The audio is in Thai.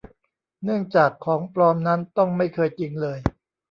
เนื่องจากของปลอมนั้นต้องไม่เคยจริงเลย